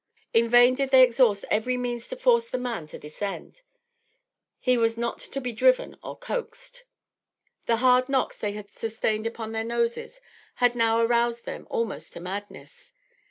In vain did they exhaust every means to force the man to descend; he was not to be driven or coaxed. The hard knocks they had sustained upon their noses had now aroused them almost to madness.